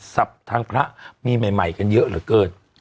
ทางพระมีใหม่กันเยอะเหลือเกิน